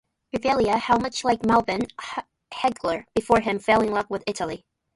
Rivera, much like Marvin Hagler before him, fell in love with Italy.